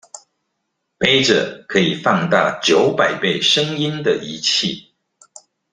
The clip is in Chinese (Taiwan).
揹著可以放大九百倍聲音的儀器